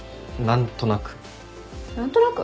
何となく。